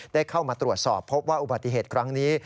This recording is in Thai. ได้เข้ามาตรวจสอบพบว่าอุบัติเหตุครั้งนี้